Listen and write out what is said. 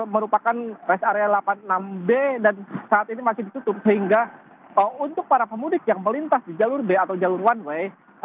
merupakan rest area delapan puluh enam b dan saat ini masih ditutup sehingga untuk para pemudik yang melintas di jalur b atau jalur one way